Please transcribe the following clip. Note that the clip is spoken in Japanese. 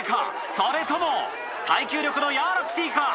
それとも耐久力のヤワラピティか？